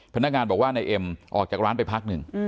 พนักงานบอกว่านายเอ็มออกจากร้านไปพักหนึ่ง